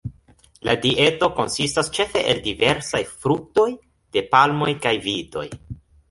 La dieto konsistas ĉefe el diversaj fruktoj, de palmoj kaj vitoj.